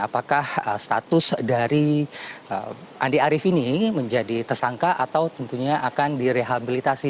apakah status dari andi arief ini menjadi tersangka atau tentunya akan direhabilitasi